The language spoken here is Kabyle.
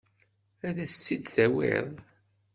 Ad as-tt-id-tawiḍ?